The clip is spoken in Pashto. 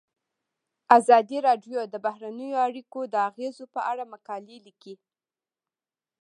ازادي راډیو د بهرنۍ اړیکې د اغیزو په اړه مقالو لیکلي.